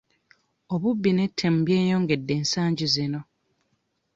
Obubbi n'ettemu byeyongedde ensagi zino.